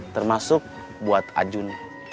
termasuk buat ajun